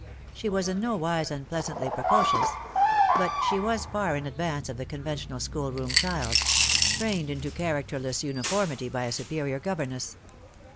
Sbe vas in no wise unpleasantly precocious ; but she was far in advarce of the conventional schoolroom child, trained into characterless uniformity by a superior governess.